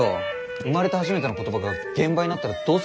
生まれて初めての言葉が「現場」になったらどう責任とるつもり？